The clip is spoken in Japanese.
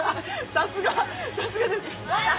さすがさすがです。